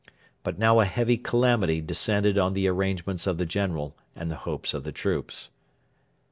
But now a heavy calamity descended on the arrangements of the General and the hopes of the troops.